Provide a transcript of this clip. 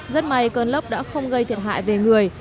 rất may cơn lốc đã không gây thiệt hại về người